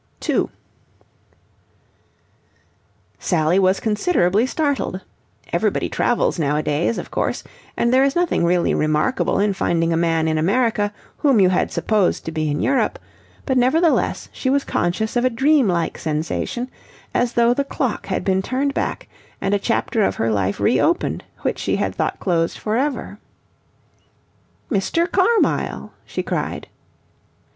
2 Sally was considerably startled. Everybody travels nowadays, of course, and there is nothing really remarkable in finding a man in America whom you had supposed to be in Europe: but nevertheless she was conscious of a dream like sensation, as though the clock had been turned back and a chapter of her life reopened which she had thought closed for ever. "Mr. Carmyle!" she cried.